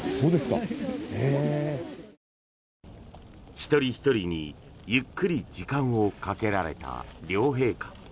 一人ひとりにゆっくり時間をかけられた両陛下。